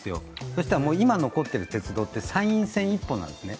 そしたら今、残ってる鉄道って参院選１本なんですね。